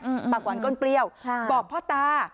ปากหวานก้นเปรี้ยวค่ะบอกพ่อตา